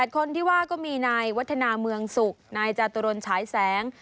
คนที่ว่าก็มีนายวัฒนาเมืองสุขนายจาตุรนฉายแสง